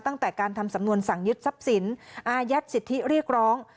ตั้งแต่การทำสำนวนสั่งยึดทรัพย์สินอายัดสิทธิเรียกร้อง